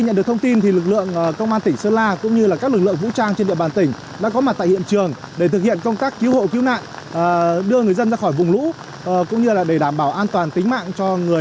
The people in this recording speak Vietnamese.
những nhân dân cứu hộ cứu nạn và sơ tán người dân tài sản ra khỏi vùng ngập ống